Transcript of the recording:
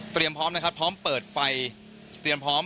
พร้อมนะครับพร้อมเปิดไฟเตรียมพร้อม